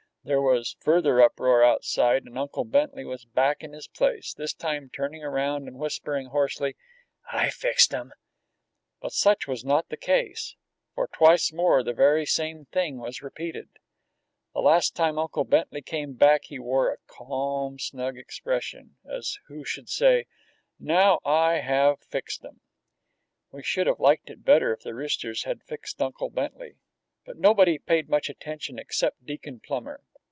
There was further uproar outside, and Uncle Bentley was back in his place, this time turning around and whispering hoarsely, "I fixed 'em!" But such was not the case, for twice more the very same thing was repeated. The last time Uncle Bentley came back he wore a calm, snug expression, as who should say, "Now I have fixed 'em!" We should have liked it better if the roosters had fixed Uncle Bentley. But nobody paid much attention except Deacon Plummer.